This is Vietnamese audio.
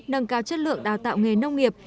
nâng cao chất lượng đào tạo nghề nông nghiệp